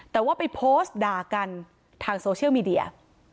แต่ว่าไปโพสต์ด่ากันทางโซเชียลมีเดีย